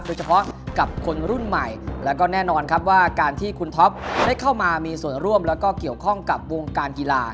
โดยเฉพาะกับคนรุ่นใหม่แล้วก็แน่นอนครับว่าการที่คุณท็อปได้เข้ามามีส่วนร่วมแล้วก็เกี่ยวข้องกับวงการกีฬา